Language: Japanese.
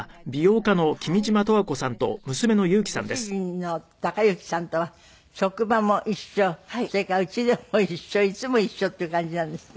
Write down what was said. ご主人の誉幸さんとは職場も一緒それから家でも一緒いつも一緒っていう感じなんですって？